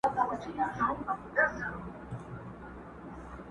اشنا پوښتني ته مي راسه.!